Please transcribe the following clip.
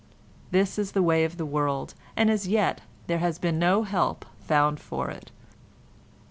This is the way of the world, and as yet there has been no help found for it.